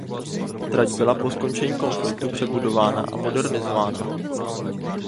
Trať byla po skončení konfliktu přebudována a modernizována.